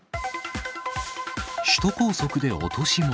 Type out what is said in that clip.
首都高速で落とし物。